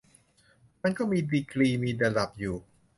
มันก็มีดีกรี มีระดับอยู่